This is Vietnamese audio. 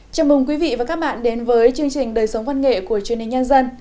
chào mừng quý vị và các bạn đến với chương trình đời sống văn nghệ của truyền hình nhân dân